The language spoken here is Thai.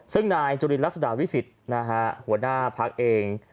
ซึ่งนายจุลินลักษณะวิสิทธิ์นะฮะหัวหน้าพักเอง